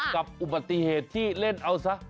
กับอุบัติเหตุที่เล่นเอาซะ